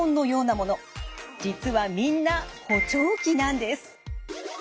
実はみんな補聴器なんです。